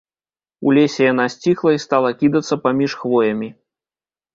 У лесе яна сціхла і стала кідацца паміж хвоямі.